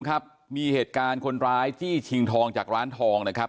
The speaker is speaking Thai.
ครับมีเหตุการณ์คนร้ายจี้ชิงทองจากร้านทองนะครับ